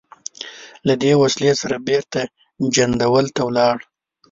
له دې وسلې سره بېرته جندول ته ولاړ.